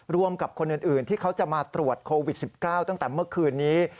กับคนอื่นที่เขาจะมาตรวจโควิด๑๙ตั้งแต่เมื่อคืนนี้